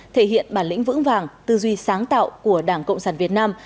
thể hiện bản lĩnh vững vàng tư duy sáng tạo của đảng cộng sản việt nam